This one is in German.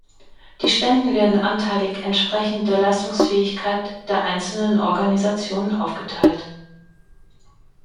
Die Spenden werden anteilig entsprechend der Leistungsfähigkeit der einzelnen Organisation aufgeteilt.